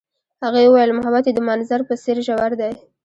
هغې وویل محبت یې د منظر په څېر ژور دی.